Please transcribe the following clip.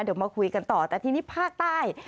เดี๋ยวมาคุยกันต่อแต่ทีนี้ภาคใต้